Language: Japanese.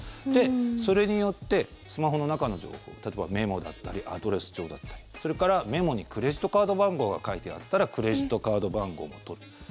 それによってスマホの中の情報例えばメモだったりアドレス帳だったりそれからメモにクレジットカード番号が書いてあったらクレジットカード番号も取る。